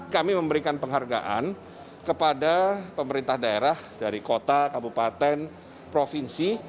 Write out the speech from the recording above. kami memberikan penghargaan kepada pemerintah daerah dari kota kabupaten provinsi